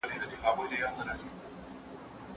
دا داستان دلته پای ته ورسېد او هیله ده چې خوښ مو شوی وي